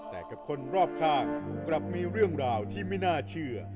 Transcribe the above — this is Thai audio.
แต่กับคนรอบข้างกลับมีเรื่องราวที่ไม่น่าเชื่อ